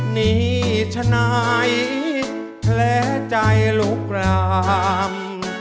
หนีชนายแพร่ใจลุกราม